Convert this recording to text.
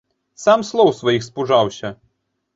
Сам слоў сваіх спужаўся.